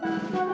ya ya gak